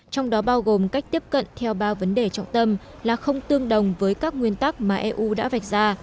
trong đó bao gồm cách tiếp cận theo ba vấn đề trọng tâm là không tương đồng với các nguyên tắc mà eu đã vạch ra